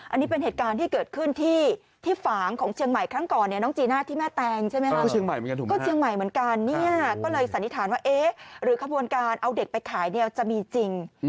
อันนี้เป็นเหตุการณ์ที่เกิดขึ้นที่